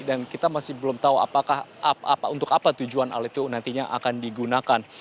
dan kita masih belum tahu untuk apa tujuan alat itu nantinya akan digunakan